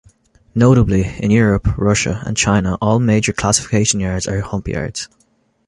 Notably, in Europe, Russia and China, all major classification yards are hump yards.